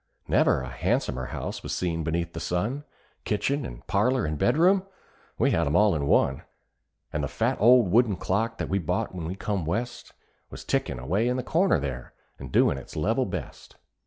Never a handsomer house was seen beneath the sun: Kitchen and parlor and bedroom we had 'em all in one; And the fat old wooden clock that we bought when we come West, Was tickin' away in the corner there, and doin' its level best.